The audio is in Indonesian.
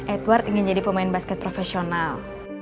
edward ingin jadi pemain basket profesional